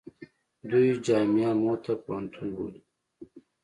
دوی جامعه موته پوهنتون بولي.